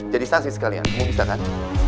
jadi saksi sekalian kamu bisa kan